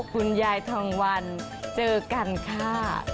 คุณยายทองวันเจอกันค่ะ